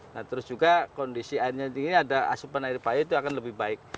nah terus juga kondisi airnya tinggi ada asupan air payu itu akan lebih baik